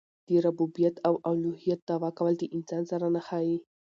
د ربوبیت او اولوهیت دعوه کول د انسان سره نه ښايي.